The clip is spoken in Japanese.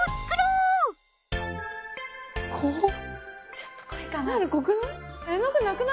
ちょっと濃いかな？